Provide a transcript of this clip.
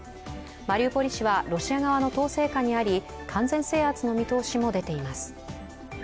マリウポリ市はロシア側の統制下にあり、完全制圧の見通しも出ています。